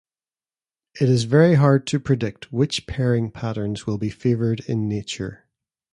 It is very hard to predict which pairing patterns will be favored in nature.